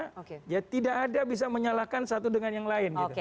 karena ya tidak ada bisa menyalahkan satu dengan yang lain